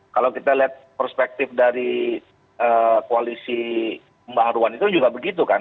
kalau kita lihat perspektif dari koalisi pembaharuan itu juga begitu kan